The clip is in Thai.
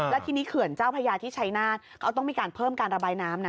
และทีนี้เขื่อนเจ้าพญาที่ชัยนาธเขาต้องมีการเพิ่มการระบายน้ำนะ